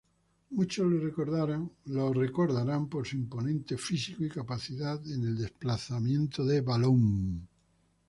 Muchos lo recordarán por su imponente físico y capacidad en el desplazamiento de balón.